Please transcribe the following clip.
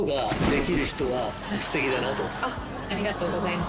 ありがとうございます。